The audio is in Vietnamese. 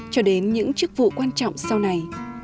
cho đến những chức vụ quan trọng sau này